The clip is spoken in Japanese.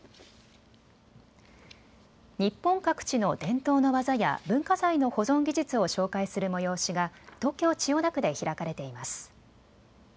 日本各地の伝統の技や文化財の保存技術を紹介する催しが東京千代田区で開かれています。